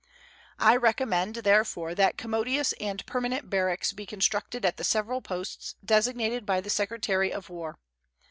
I recommend, therefore, that commodious and permanent barracks be constructed at the several posts designated by the Secretary of War.